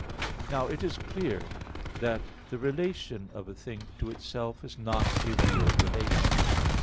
Now it is clear that the relation of a thing to itself is not a real relation.